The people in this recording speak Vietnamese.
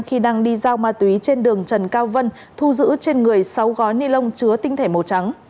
khi đang đi giao ma túy trên đường trần cao vân thu giữ trên người sáu gói ni lông chứa tinh thể màu trắng